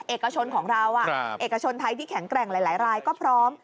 เอกชนของเราเอกชนไทยที่แข็งแกร่งหลายรายก็พร้อม